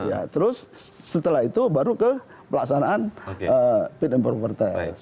ya terus setelah itu baru ke pelaksanaan paint improper test